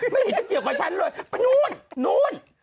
ไม่เห็นจะเกี่ยวกับฉันเลยไปนู่นนู่น